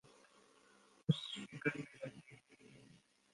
اس فکر میں رہنے کیلئے۔